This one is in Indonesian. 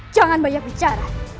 jangan banyak bicara